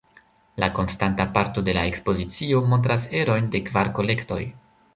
La konstanta parto de la ekspozicio montras erojn de kvar kolektoj.